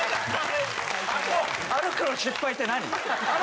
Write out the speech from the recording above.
歩くの失敗って何？